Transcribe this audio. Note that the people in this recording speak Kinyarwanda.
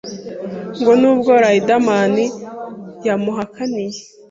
Ngo n’ubwo Rideman yamuhakaniye